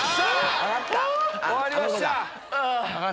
終わりました。